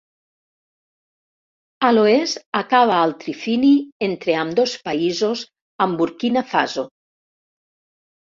A l'oest acaba al trifini entre ambdós països amb Burkina Faso.